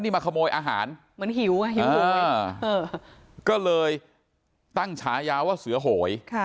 นี่มาขโมยอาหารเหมือนหิวหิวโหยก็เลยตั้งฉายาว่าเสือโหย